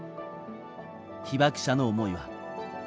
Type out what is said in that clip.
被爆者の思いは。